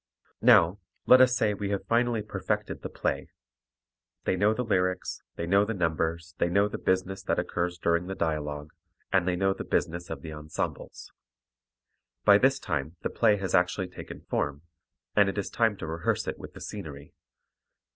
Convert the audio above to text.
Now, let us say we have finally perfected the play. They know the lyrics, they know the numbers, they know the "business" that occurs during the dialogue, and they know the "business" of the ensembles. By this time the play has actually taken form, and it is time to rehearse it with the scenery.